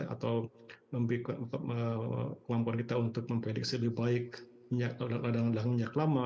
atau membuat kemampuan kita untuk memprediksi lebih baik minyak ladang ladang minyak lama